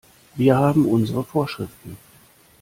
Wir haben unsere Vorschriften.